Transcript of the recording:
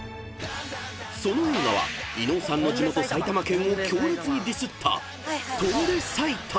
［その映画は伊野尾さんの地元埼玉県を強烈にディスった］